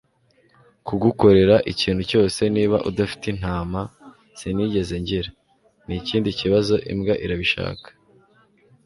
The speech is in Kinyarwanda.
kugukorera ikintu cyose niba udafite intama [sinigeze ngira] nikindi kibazo imbwa irabishaka